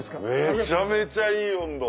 めちゃめちゃいい温度。